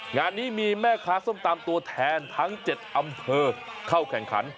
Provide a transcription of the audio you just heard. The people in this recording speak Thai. งานนี้มีแม่ค้าส้มตำตัวแทนทั้ง๗อำเภอเข้าแข่งขัน